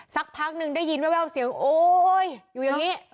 สักพักหนึ่งได้ยินแววเสียงโอ๊ยอยู่อย่างนี้